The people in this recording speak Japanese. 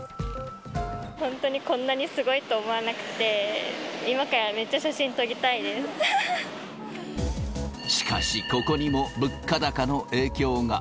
本当にこんなにすごいと思わなくて、しかしここにも、物価高の影響が。